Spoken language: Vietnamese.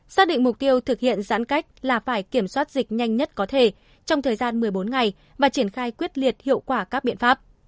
xác định mục tiêu thực hiện giãn cách là phải kiểm soát dịch nhanh nhất có thể trong thời gian một mươi bốn ngày và triển khai quyết liệt hiệu quả các biện pháp